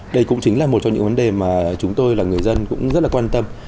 đây cũng chính là một trong những vấn đề mà chúng tôi là người dân cũng rất là quan tâm